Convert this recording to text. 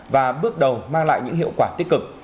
và bước đầu mang lại những hiệu quả tích cực